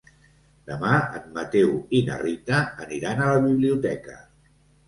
Demà en Mateu i na Rita aniran a la biblioteca.